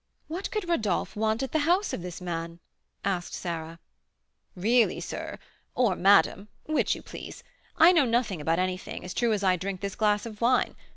"What could Rodolph want at the house of this man?" asked Sarah. "Really, sir, or madam, which you please, I know nothing about anything, as true as I drink this glass of wine.